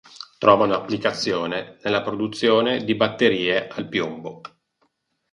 Trovano applicazione nella produzione di batterie al piombo.